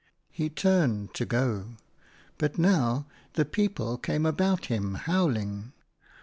He turned to go, but now the people came about him, howling.